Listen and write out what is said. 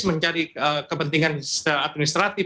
mencari kepentingan administratif